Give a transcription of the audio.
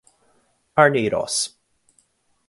Arneiroz